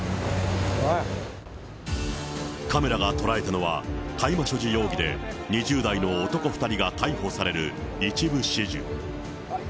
カメラが捉えたのは、大麻所持容疑で２０代の男２人が逮捕される一部始終。